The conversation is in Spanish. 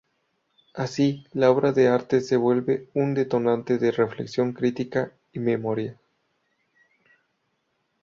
Así, la obra de arte se vuelve un detonante de reflexión crítica y memoria.